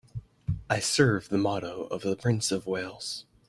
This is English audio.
I serve the motto of the Prince of Wales.